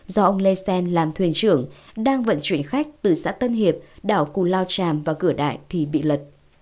do ông lê xen làm thuyền trưởng đang vận chuyển khách từ xã tân hiệp đảo cù lao tràm và cửa đại thì bị lật